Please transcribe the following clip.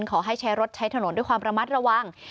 ขอให้ใช้รถใช้ถนนด้วยความระมัดระวัง